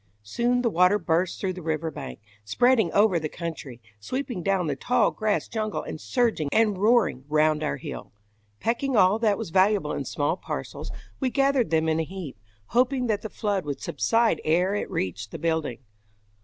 Soon the water burst through the river bank, spreading over the country, sweeping down the tall grass jungle and surging and roaring round our hill. Packing all that was valuable in small parcels, we gathered them in a heap, hoping that the flood would subside ere it reached the building.